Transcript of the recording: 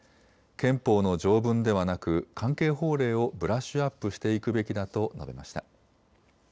憲法の条文ではなく関係法令をブラッシュアップしていくべきだと述べました。